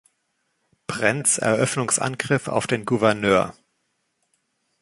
Brents Eröffnungsangriff auf den Gouverneur!